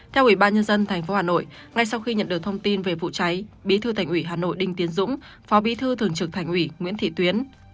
theo ubnd tp hà nội ngay sau khi nhận được thông tin về vụ cháy bí thư thành ủy hà nội đinh tiến dũng phó bí thư thường trực thành ủy nguyễn thị tuyến